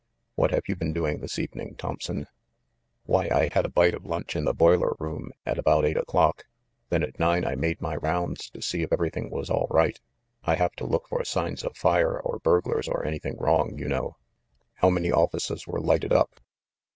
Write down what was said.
"What have you been doing this evening, Thomp son?" "Why, I had a bite of lunch in the boiler room at THE MIDDLEBURY MURDER 387 about eight o'clock. Then at nine I made my rounds to see if everything was all right. I have to look for signs of fires or burglars or anything wrong, you know." "How many offices were lighted up?"